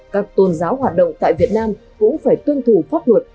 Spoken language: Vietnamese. các tôn giáo hoạt động tại việt nam cũng phải tuân thủ pháp luật